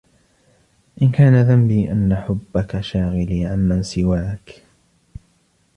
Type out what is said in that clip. إن كان ذنبي أنّ حبّك شاغلي عمّن سواك